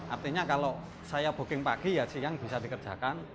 artinya kalau saya booking pagi ya siang bisa dikerjakan